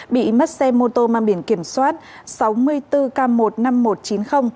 bị mất xe mô tô mang biển kiểm soát sáu mươi bốn k một mươi năm nghìn một trăm chín mươi